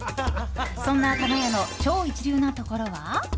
そんな、かが屋の超一流なところは？